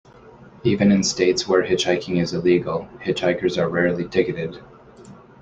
Even in states where hitchhiking is illegal, hitchhikers are rarely ticketed.